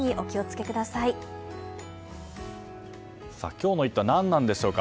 今日の「イット！」は何なんでしょうか。